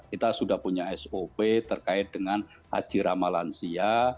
kita sudah punya sop terkait dengan haji ramah lansia